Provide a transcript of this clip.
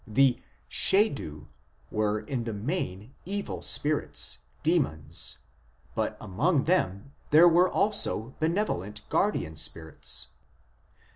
The Shedu 1 were in the main evil spirits, demons, but among them there were also benevolent guardian spirits.